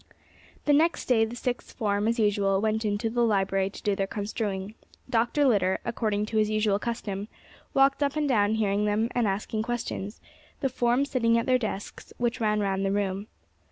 The next day the Sixth Form, as usual, went into the library to do their construing. Dr. Litter, according to his usual custom, walked up and down hearing them and asking questions, the form sitting at their desks, which ran round the room.